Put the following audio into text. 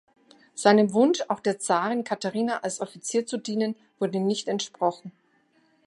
Seinem Wunsch, auch der Zarin Katharina als Offizier zu dienen, wurde nicht entsprochen.